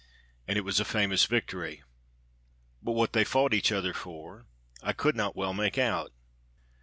And it was a famous victory. But what they fought each other for I could not well make out.